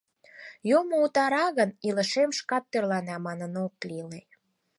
«Юмо утара гын, илышем шкак тӧрлана» манын ок иле.